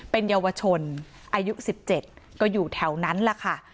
เป็นเยาวชนอายุ๑๗ก็อยู่แถวนั้นแหละค่ะ